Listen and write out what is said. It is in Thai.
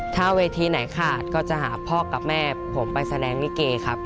ถ้าเวทีไหนขาดก็จะหาพ่อกับแม่ผมไปแสดงลิเกครับ